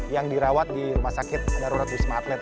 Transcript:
yang dirawat di rumah sakit darurat wisma atlet